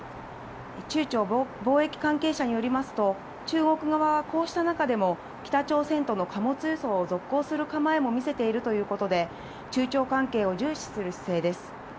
中朝防疫関係者によりますと、中国側はこうした中でも北朝鮮との貨物輸送を続行する構えも見せているということで、中朝関係を重視する姿勢です。